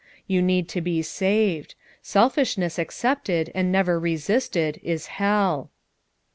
You need to be saved. Selfishness accepted and never resisted is hell."